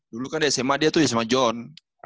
dulu kan di sma dia tuh sama john